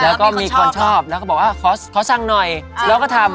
เอ่อมีคนชอบเหรอแล้วก็บอกขอสั่งหน่อแล้วก็ทำ